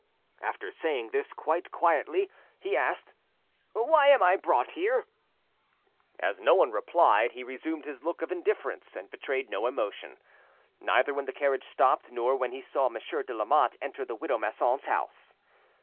After saying this quite quietly, he asked— "Why am I brought here?" As no one replied, he resumed his look of indifference, and betrayed no emotion, neither when the carriage stopped nor when he saw Monsieur de Lamotte enter the widow Masson's house.